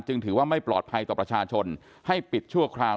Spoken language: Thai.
ถือว่าไม่ปลอดภัยต่อประชาชนให้ปิดชั่วคราว